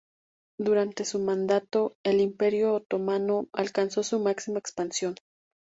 Durante su mandato el Imperio Otomano alcanzó su máxima expansión.